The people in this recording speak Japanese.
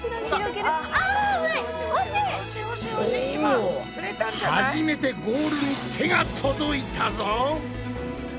お初めてゴールに手が届いたぞ。